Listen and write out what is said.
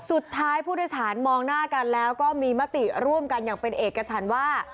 สุดท้ายผู้โดยสารมองหน้ากันแล้วก็มีมติร่วมกันอย่างเป็นเอกฉันว่า